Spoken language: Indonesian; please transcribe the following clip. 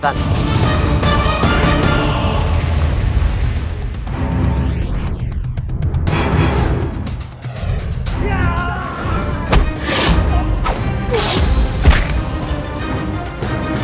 kau akan menang